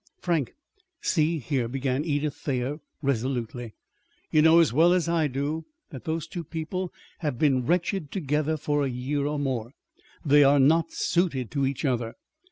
"Frank, see here," began Edith Thayer resolutely. "You know as well as I do that those two people have been wretched together for a year or more. They are not suited to each other.